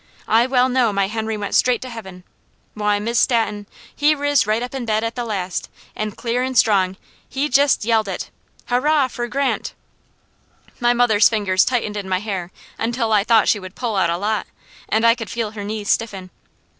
I well know my Henry went straight to Heaven. Why Miss Stanton, he riz right up in bed at the last, and clear and strong he jest yelled it: 'Hurrah fur Grant!'" My mother's fingers tightened in my hair until I thought she would pull out a lot, and I could feel her knees stiffen.